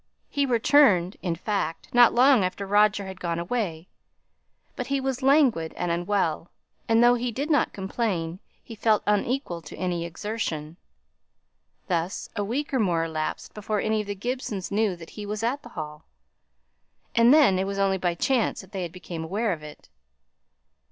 He returned, in fact, not long after Roger had gone away; but he was languid and unwell, and, though he did not complain, he felt unequal to any exertion. Thus a week or more elapsed before any of the Gibsons knew that he was at the Hall; and then it was only by chance that they became aware of it.